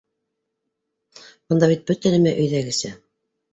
Бында бит бөтә нәмә өйҙәгесә.